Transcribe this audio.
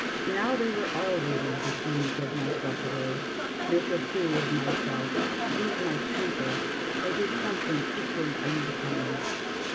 Now they were all waiting to see me give myself away, make a fool of myself, lose my temper, or do something equally unbecoming.